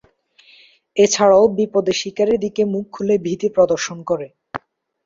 এছাড়াও বিপদের/শিকারির দিকে মুখ খুলে ভীতি প্রদর্শন করে।